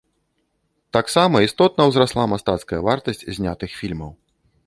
Таксама істотна ўзрасла мастацкая вартасць знятых фільмаў.